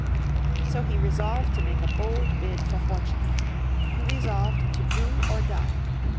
So he resolved to make a bold bid for fortune. He resolved to do or die.